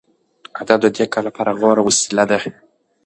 ادب د دې کار لپاره غوره وسیله ده.